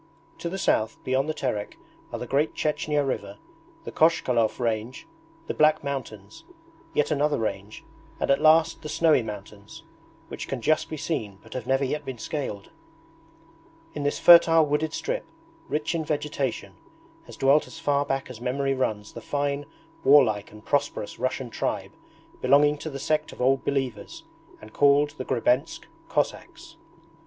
To the south, beyond the Terek, are the Great Chechnya river, the Kochkalov range, the Black Mountains, yet another range, and at last the snowy mountains, which can just be seen but have never yet been scaled. In this fertile wooded strip, rich in vegetation, has dwelt as far back as memory runs the fine warlike and prosperous Russian tribe belonging to the sect of Old Believers, and called the Grebensk Cossacks.